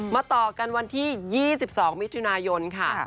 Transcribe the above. ต่อกันวันที่๒๒มิถุนายนค่ะ